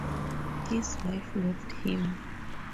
His wife left him.